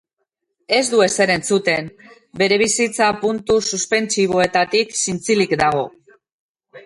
Ez du ezer entzuten, bere bizitza puntu suspentsiboetatik zintzilik dago.